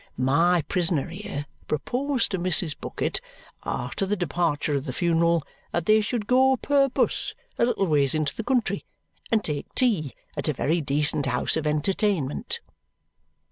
My prisoner here proposed to Mrs. Bucket, after the departure of the funeral, that they should go per bus a little ways into the country and take tea at a very decent house of entertainment.